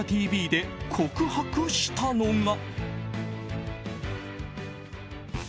ＴＶ」で告白したのが。